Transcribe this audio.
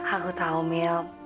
aku tahu mil